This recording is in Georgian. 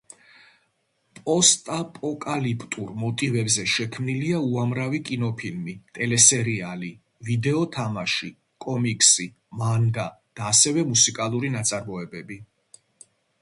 პოსტაპოკალიპტურ მოტივებზე შექმნილია უამრავი კინოფილმი, ტელესერიალი, ვიდეო თამაში, კომიქსი, მანგა და ასევე მუსიკალური ნაწარმოებები.